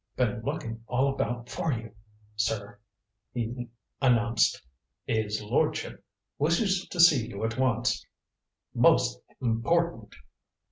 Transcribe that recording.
"Been looking all about for you, sir," he announced. "'Is lordship wishes to see you at once most h'important."